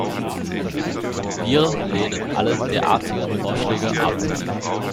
Wir lehnen alle derartigen Vorschläge ab.